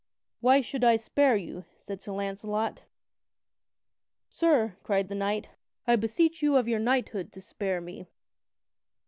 "Why should I spare you?" said Sir Launcelot. "Sir," cried the knight, "I beseech you of your knighthood to spare me."